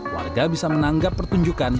warga bisa menanggap pertunjukan